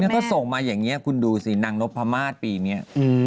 ก็ส่งมาอย่างนี้คุณดูสินางนพมาศปีนี้